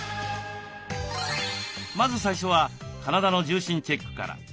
まず最初は体の重心チェックから。